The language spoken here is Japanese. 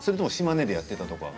島根でやっていたとか。